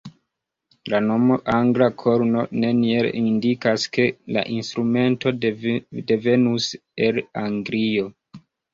La nomo "angla korno" neniel indikas, ke la instrumento devenus el Anglio.